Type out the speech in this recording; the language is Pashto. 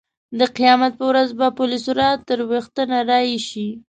د قیامت په ورځ به پل صراط تر وېښته نرۍ شي.